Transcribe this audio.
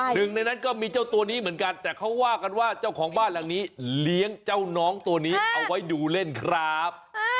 หนึ่งในนั้นก็มีเจ้าตัวนี้เหมือนกันแต่เขาว่ากันว่าเจ้าของบ้านหลังนี้เลี้ยงเจ้าน้องตัวนี้เอาไว้ดูเล่นครับ